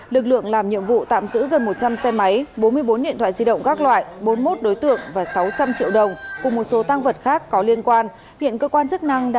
lực lượng làm nhiệm vụ tạm giữ gần một trăm linh xe máy bốn mươi bốn điện thoại di động các loại bốn mươi một đối tượng và sáu trăm linh triệu đồng